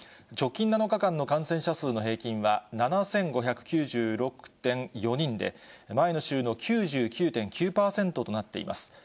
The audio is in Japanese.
直近７日間の感染者数の平均は、７５９６．４人で、前の週の９９．９％となっています。